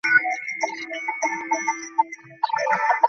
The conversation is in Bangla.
কেজিপ্রতি দুই টাকা কমিশন দিলে সাড়ে চার কোটি টাকা দিতে হবে।